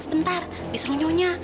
biar huldah jasa juga